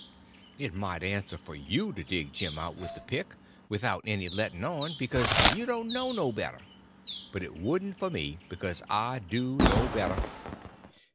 It might answer for you to dig Jim out with a pick, without any letting on, because you don't know no better; but it wouldn't for me, because I do know better.